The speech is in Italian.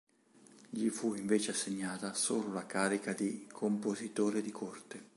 Gli fu invece assegnata solo la carica di "compositore di corte".